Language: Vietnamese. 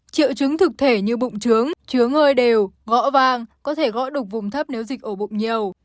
triệu chứng thực thể như bụng trướng trướng hơi đều gõ vàng có thể gõ đục vùng thấp nếu dịch ổ bụng nhiều